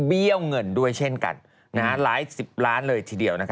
ี้ยวเงินด้วยเช่นกันหลายสิบล้านเลยทีเดียว